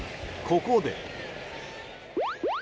ここで。